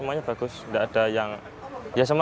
perlahan lahan berkumpul di tempat berkumpul